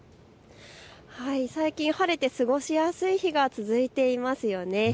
最近晴れて過ごしやすい日が続いています。